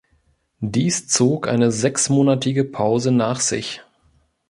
Dies zog eine sechsmonatige Pause nach sich.